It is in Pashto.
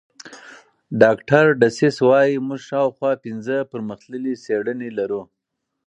ډاکټر ډسیس وايي موږ شاوخوا پنځه پرمختللې څېړنې لرو.